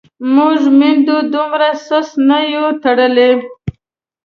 موږ میندو دومره سست نه یو تړلي.